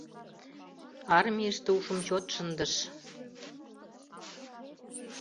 Армийыште ушым чот шындыш.